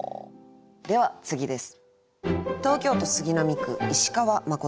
では次です。